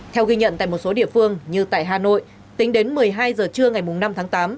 theo ghi nhận tại một số địa phương như tại hà nội tính đến một mươi hai h trưa ngày năm tháng tám